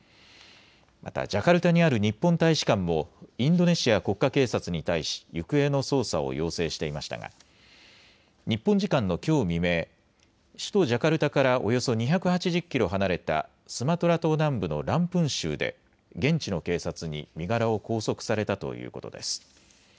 またジャカルタにある日本大使館もインドネシア国家警察に対し行方の捜査を要請していましたが日本時間のきょう未明、首都ジャカルタからおよそ２８０キロ離れたスマトラ島南部のランプン州で現地の警察に身柄を拘束されたということです。